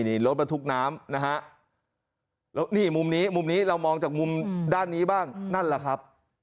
นี่รถบรรทุกน้ำนะฮะแล้วนี่มุมนี้มุมนี้เรามองจากมุมด้านนี้บ้างนั่นแหละครับ